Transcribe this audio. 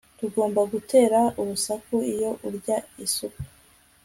tugomba gutera urusaku iyo urya isupu